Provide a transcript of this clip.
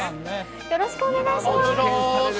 よろしくお願いします。